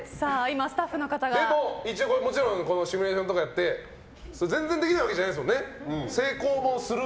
でも、シミュレーションをやってみて全然できないわけじゃないんですもんね。